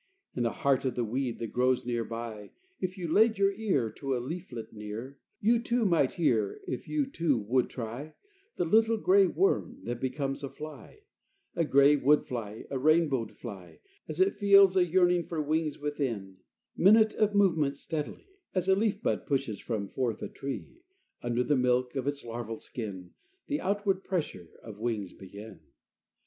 In the heart of the weed that grows near by, If you laid your ear To a leaflet near, You too might hear, if you, too, would try, The little gray worm, that becomes a fly A gray wood fly, a rainbowed fly, As it feels a yearning for wings within, Minute of movement, steadily, As a leaf bud pushes from forth a tree, Under the milk of its larval skin, The outward pressure of wings begin.